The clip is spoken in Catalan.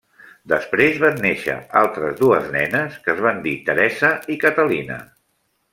Després van néixer altres dues nenes que es van dir Teresa i Catalina.